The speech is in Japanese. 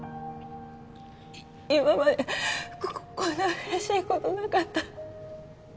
今までこんな嬉しいことなかった